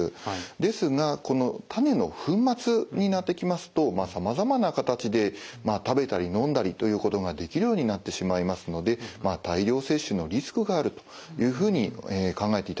ですがこの種の粉末になってきますとさまざまな形で食べたりのんだりということができるようになってしまいますので大量摂取のリスクがあるというふうに考えていただきたいと思います。